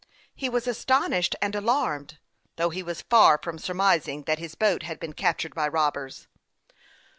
He was astonished and alarmed, though he was far from surmising that his boat had been captured by robbers.